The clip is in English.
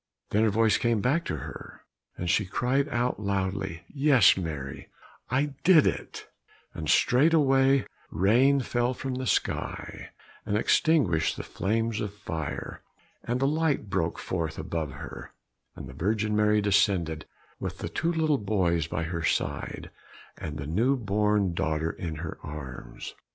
Then her voice came back to her, and she cried out loudly, "Yes, Mary, I did it;" and straight way rain fell from the sky and extinguished the flames of fire, and a light broke forth above her, and the Virgin Mary descended with the two little sons by her side, and the new born daughter in her arms.